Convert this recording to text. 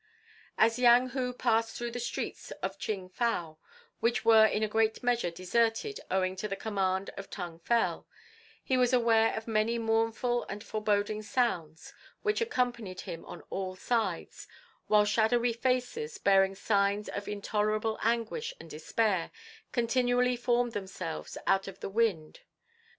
As Yang Hu passed through the streets of Ching fow, which were in a great measure deserted owing to the command of Tung Fel, he was aware of many mournful and foreboding sounds which accompanied him on all sides, while shadowy faces, bearing signs of intolerable anguish and despair, continually formed themselves out of the wind.